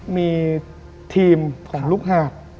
มีทีมของลูกหาด